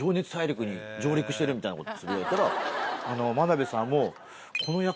みたいなことつぶやいたら真鍋さんも。